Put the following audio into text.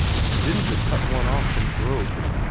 Didn't it cut one off from growth